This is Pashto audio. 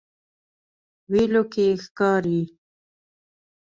ویلو کې ښکاري.